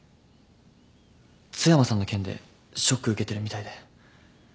津山さんの件でショック受けてるみたいで。